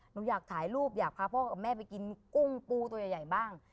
หนูอยากถ่ายรูปอยากพาพ่อกับแม่ไปกินกุ้งปูตัวใหญ่บ้าง